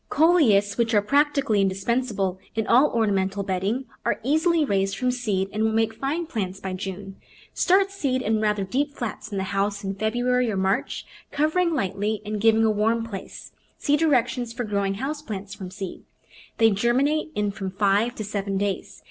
Coleus, which are practically indispensable in all ornamental bedding, are easily raised from seed and will make fine plants by June* Start seed in rather Digitized by Google Twelve] ^oltast JKante 143 deep flats in the house in February or March, covering lightly and giving a warm place (see directions for growing house plants from seed). They germinate in from five to seven days.